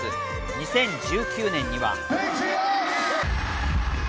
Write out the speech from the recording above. ２０１９年には。